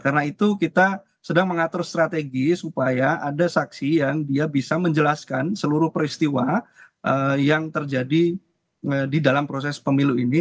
karena itu kita sedang mengatur strategi supaya ada saksi yang dia bisa menjelaskan seluruh peristiwa yang terjadi di dalam proses pemilu ini